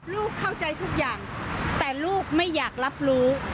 ลูกเข้าใจทุกอย่างแต่ลูกไม่อยากรับรู้